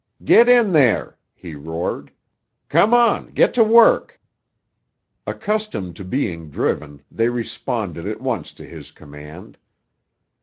"Get in there!" he roared. "Come on; get to work!" Accustomed to being driven, they responded at once to his command.